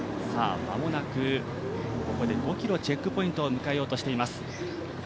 間もなく５ｋｍのチェックポイントを迎えようとしています。